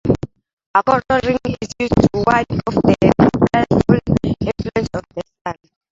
A coral ring is used to ward off the baleful influence of the sun.